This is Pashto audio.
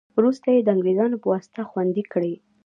وروسته یې د انګرېزانو په واسطه خوندي کړې.